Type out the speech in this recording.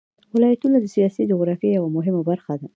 ولایتونه د سیاسي جغرافیه یوه مهمه برخه ده.